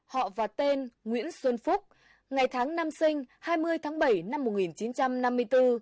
họ và tên nguyễn xuân phúc ngày tháng năm sinh hai mươi tháng bảy năm một nghìn chín trăm năm mươi bốn